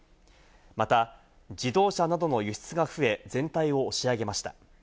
また自動車などの輸出が増え、全体を押し上げました。